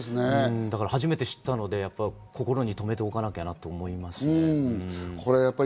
だから初めて知ったので心に留めておかなきゃなと思います。